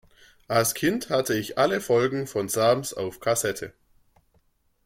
Als Kind hatte ich alle Folgen vom Sams auf Kassette.